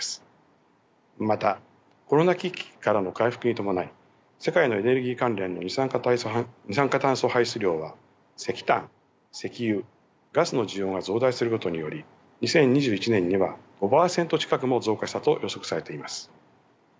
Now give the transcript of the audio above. またコロナ危機からの回復に伴い世界のエネルギー関連の二酸化炭素排出量は石炭石油ガスの需要が増大することにより２０２１年には５％近くも増加したと予測されています。